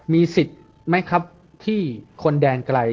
มีสิทธิ์ไหมครับที่คนแดนไกล